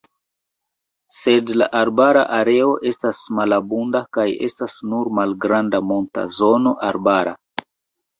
Sed la arbara areo estas malabunda kaj estas nur malgranda monta zono arbara.